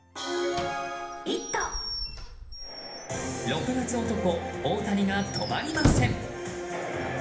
６月男、大谷が止まりません。